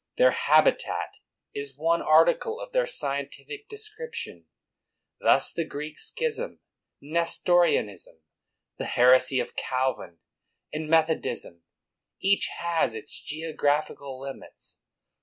Their habitat is one article of their scientific descrip tion. Thus the Greek schism, Nestorianism, the heresy of Calvin, and Methodism, each has its geographical limits.